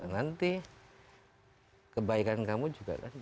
nanti kebaikan kamu juga kan